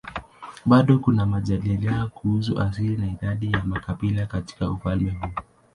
Bado kuna majadiliano kuhusu asili na idadi ya makabila katika ufalme huu.